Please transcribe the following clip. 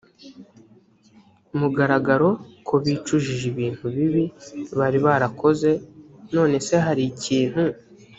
mugaragaro ko bicujije ibintu bibi bari barakoze none se hari ikintu